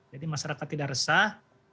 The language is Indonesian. jadi masyarakat tidak resah